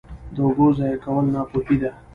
د اوبو ضایع کول ناپوهي ده.